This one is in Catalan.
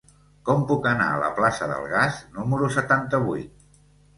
Com puc anar a la plaça del Gas número setanta-vuit?